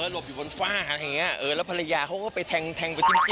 หลบอยู่บนฟากั้นอย่างนี้